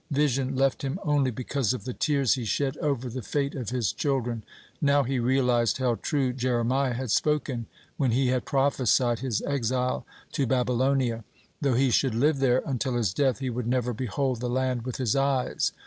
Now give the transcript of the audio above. Vision left him only because of the tears he shed over the fate of his children. (7) Now he realized how true Jeremiah had spoken when he had prophesied his exile to Babylonia. Though he should live there until his death, he would never behold the land with his eyes.